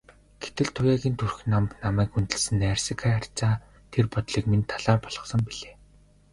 Гэтэл Туяагийн төрх намба, намайг хүндэлсэн найрсаг харьцаа тэр бодлыг минь талаар болгосон билээ.